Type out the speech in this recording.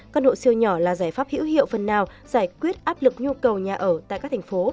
căn hộ siêu nhỏ là giải pháp hữu hiệu phần nào giải quyết áp lực nhu cầu nhà ở tại các thành phố